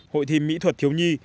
hội thi mỹ thuật thiếu nhi